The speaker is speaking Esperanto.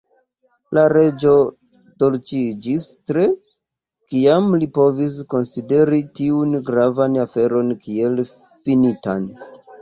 La Reĝo dolĉiĝis tre, kiam li povis konsideri tiun gravan aferon kiel finitan.